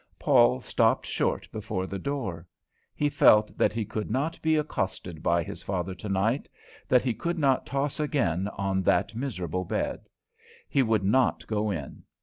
Paul stopped short before the door. He felt that he could not be accosted by his father tonight; that he could not toss again on that miserable bed. He would not go in.